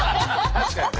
確かにね。